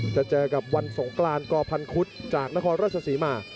จะเจอกับวันสงกรานกพันคุดจากนครราชศรีมา